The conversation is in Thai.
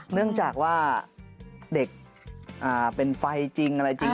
เนื่องจากว่าเด็กเป็นไฟจริงอะไรจริง